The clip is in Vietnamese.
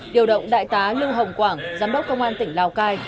điều động đại tá lưu hồng quảng giám đốc công an tỉnh lào cai